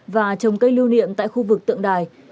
và trồng cây lưu niệm tại khu vực tượng đài